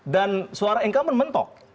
dan suara engkau men mentok